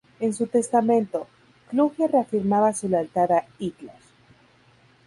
En su testamento, Kluge reafirmaba su lealtad a Hitler.